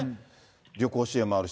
旅行支援もあるし。